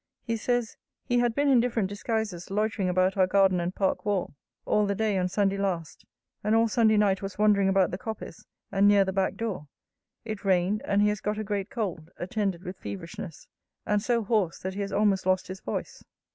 He says, 'He had been in different disguises loitering about our garden and park wall, all the day on Sunday last; and all Sunday night was wandering about the coppice, and near the back door. It rained; and he has got a great cold, attended with feverishness, and so hoarse, that he has almost lost his voice.'